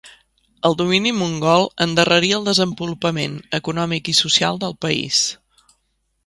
El domini mongol endarrerí el desenvolupament econòmic i social del país.